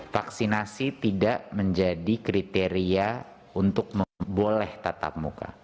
vaksinasi tidak menjadi kriteria untuk memboleh tatap muka